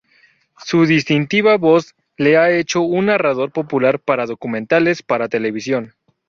Su distintiva voz le ha hecho un narrador popular para documentales para televisión.